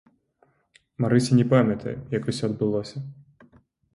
Марыся не памятае, як усё адбылося.